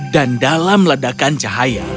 dan dalam ledakan cahaya